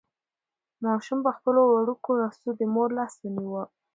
ماشوم په خپلو وړوکو لاسو د مور لاس ونیو.